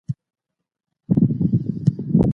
څېړونکی بايد وضاحت ورکړي.